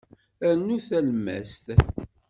Rnu talemmast.